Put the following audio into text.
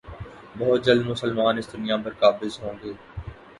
بہت جلد مسلمان اس دنیا پر قابض ہوں گے